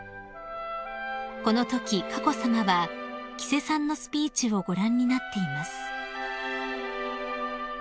［このとき佳子さまは吉瀬さんのスピーチをご覧になっています］